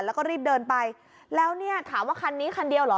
แล้วก็รีบเดินไปแล้วเนี่ยถามว่าคันนี้คันเดียวเหรอ